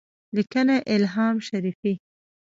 لیکنه: الهام شریفی